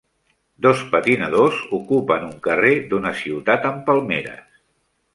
Dos patinadors ocupen un carrer d'una ciutat amb palmeres.